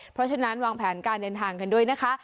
เพราะฉะนั้นวางแผนการเดินทางกันด้วยนะคะ